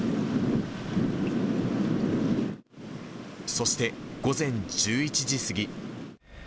そして午前１１時過ぎ。